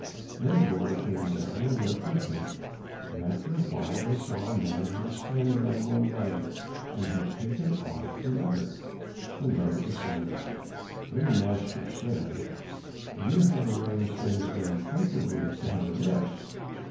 Then the blower came down and went with him, and after a while they saw a man who was standing on one leg and had taken off the other, and laid it beside him. Then the master said, "You have arranged things very comfortably to have a rest."